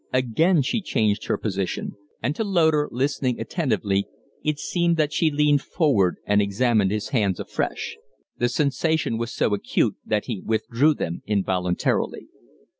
Again she changed her position; and to Loder, listening attentively, it seemed that she leaned forward and examined his hands afresh. The sensation was so acute that he withdrew them involuntarily.